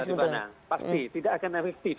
pasti dari mana pasti tidak akan efektif